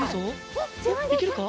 おっいけるか！？